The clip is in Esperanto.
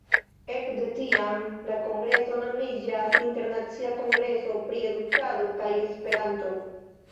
Ekde tiam, la kongreso nomiĝas Internacia Kongreso pri Edukado kaj Esperanto.